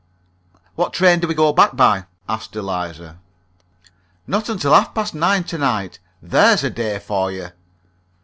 "What train do we go back by?" asked Eliza. "Not until half past nine to night. There's a day for you!"